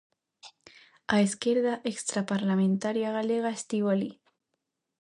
A esquerda extraparlamentaria galega estivo alí.